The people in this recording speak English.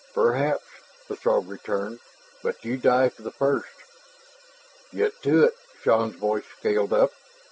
"Perhaps," the Throg returned. "But you die the first." "Get to it!" Shann's voice scaled up.